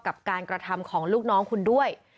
กับการกระทำของลูกน้องคุณด้วย